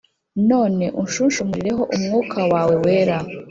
none unshunshumurireho umwuka wawe wera.